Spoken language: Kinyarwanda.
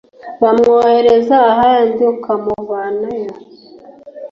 bamwohereza ahandi ukamuvanayo